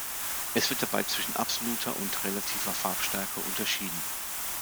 Es wird dabei zwischen absoluter und relativer Farbstärke unterschieden.